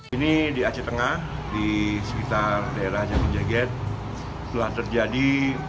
ini di aceh tengah di sekitar daerah jati jaget telah terjadi